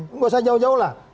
nggak usah jauh jauh lah